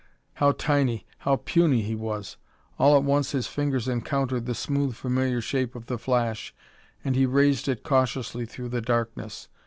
How tiny, how puny he was! All at once his fingers encountered the smooth familiar shape of the flash and he raised it cautiously through the darkness.